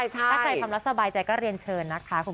ถ้าใครทำรักสบายใจก็เรียนเชิญ